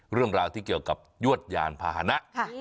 เรื่องราวที่เกี่ยวกับยวดยานพาหนะ